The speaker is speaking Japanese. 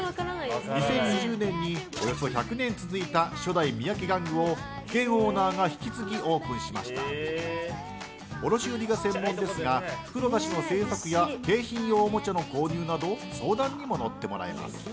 ２０２０年におよそ１００年続いた初代三宅玩具を現オーナーが引き継ぎ卸売りが専門ですが袋菓子や景品おもちゃの購入など相談にも乗ってもらえます。